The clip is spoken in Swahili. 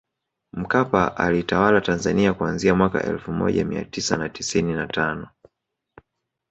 Mkapa aliitawala Tanzania kuanzia mwaka elfu moja mia tisa na tisini na tano